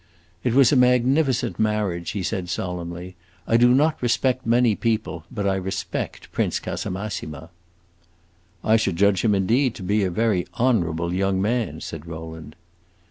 "It was a magnificent marriage," he said, solemnly. "I do not respect many people, but I respect Prince Casamassima." "I should judge him indeed to be a very honorable young man," said Rowland.